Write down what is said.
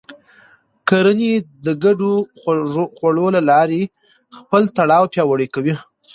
کورنۍ د ګډو خوړو له لارې خپل تړاو پیاوړی کوي